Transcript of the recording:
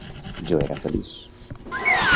Jo era feliç.